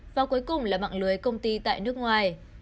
và cuối cùng là mạng lưới công ty tại nước ngoài